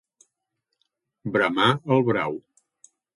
Bramar el brau.